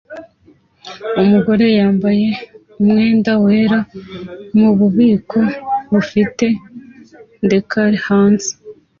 Umugore yambaye umwenda wera mububiko bufite decals hanze